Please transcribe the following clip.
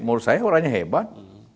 menurut saya orangnya hebat